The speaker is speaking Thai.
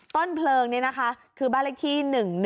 ต้นเพลิงนี่นะคะคือบ้านเลขที่๑๑